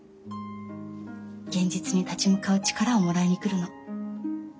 現実に立ち向かう力をもらいに来るの。